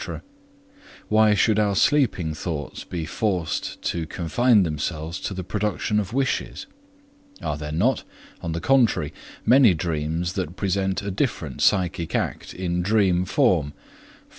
why should our sleeping thoughts be forced to confine themselves to the production of wishes? Are there not, on the contrary, many dreams that present a different psychic act in dream form, _e.